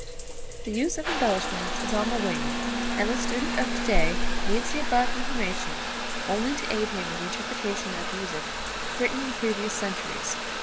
The use of embellishments is on the wane, and the student of to day needs the above information only to aid him in the interpretation of music written in previous centuries.